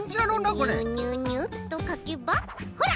ニュニュニュッとかけばほら。